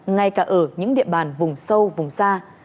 ngay cả ở những địa bàn vùng sâu vùng xa